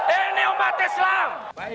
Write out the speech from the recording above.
ini umat islam